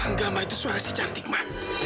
enggak ma itu suara si cantik ma